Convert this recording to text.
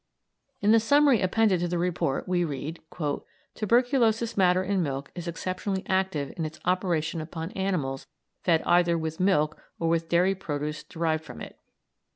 In the summary appended to the report we read: "Tuberculous matter in milk is exceptionally active in its operation upon animals fed either with milk or with dairy produce derived from it.